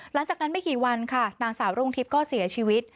หลังจากนั้นไม่กี่วันค่ะนางสาวรุ่งทิพย์ก็เสียชีวิต